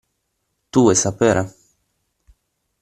Tu vuoi sapere?